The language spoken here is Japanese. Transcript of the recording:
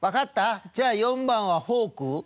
「じゃあ４番はフォーク？」。